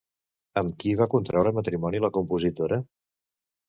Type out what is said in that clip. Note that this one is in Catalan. Amb qui va contreure matrimoni la compositora?